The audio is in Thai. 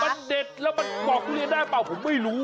มันเด็ดแล้วมันบอกทุเรียนได้เปล่าผมไม่รู้